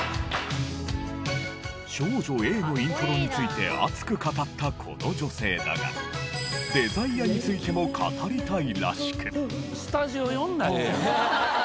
『少女Ａ』のイントロについて熱く語ったこの女性だが『ＤＥＳＩＲＥ』についても語りたいらしく。